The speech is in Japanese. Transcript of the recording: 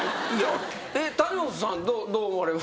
谷本さんどう思われますか？